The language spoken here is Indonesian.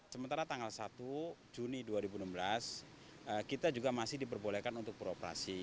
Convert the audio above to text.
sementara tanggal satu juni dua ribu enam belas kita juga masih diperbolehkan untuk beroperasi